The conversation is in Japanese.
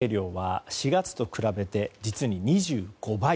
先月の水揚げ量は４月と比べて実に２５倍。